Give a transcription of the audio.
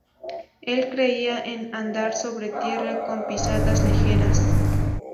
Él creía en 'andar sobre la Tierra con pisadas ligeras'.